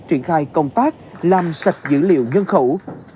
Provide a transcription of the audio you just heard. triển khai công tác làm sạch dữ liệu nhân khẩu